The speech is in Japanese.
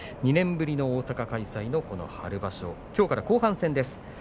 ２年ぶりの大阪開催の春場所きょうから後半戦です。